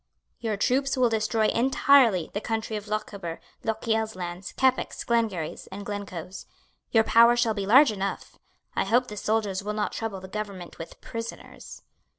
"Your troops will destroy entirely the country of Lochaber, Lochiel's lands, Keppoch's, Glengarry's and Glencoe's. Your power shall be large enough. I hope the soldiers will not trouble the government with prisoners."